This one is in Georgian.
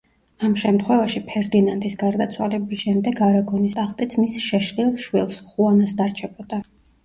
ამ შემთხვევაში ფერდინანდის გარდაცვალების შემდეგ არაგონის ტახტიც მის შეშლილ შვილს, ხუანას დარჩებოდა.